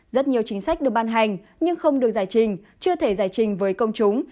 rất nhiều chính sách được ban hành nhưng không được giải trình chưa thể giải trình với công chúng